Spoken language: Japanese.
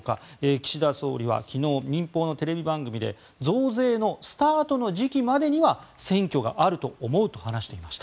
岸田総理は昨日民放のテレビ番組で増税のスタートの時期までには選挙があると思うと話していました。